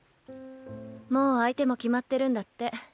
もう相手も決まってるんだって。